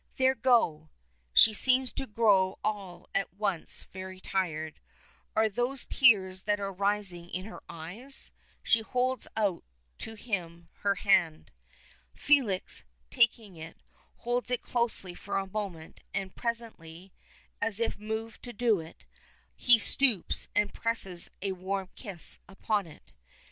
There, go!" She seems to grow all at once very tired. Are those tears that are rising in her eyes? She holds out to him her hand. Felix, taking it, holds it closely for a moment, and presently, as if moved to do it, he stoops and presses a warm kiss upon it.